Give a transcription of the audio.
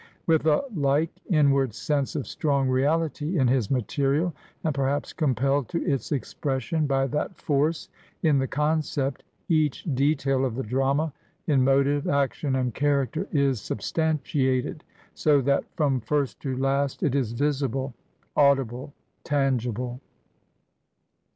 With a like inward sense of strong reahty in his material, and perhaps compelled to its expression by that force in the concept, each detail of the drama, in motive, action, and character, is sub stantiated, so that from first to last it is visible, audible, tangible.